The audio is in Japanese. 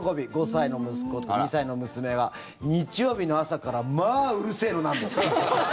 ５歳の息子と２歳の娘が日曜日の朝からまあ、うるせえのなんの。